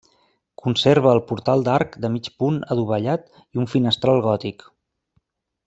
Conserva el portal d'arc de mig punt adovellat i un finestral gòtic.